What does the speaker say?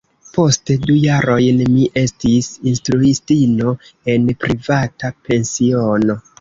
Poste du jarojn mi estis instruistino en privata pensiono.